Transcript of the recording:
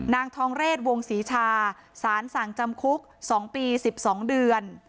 นางทองเรศวงศรีชาสารสั่งจำคุก๒ปี๑๒เดือน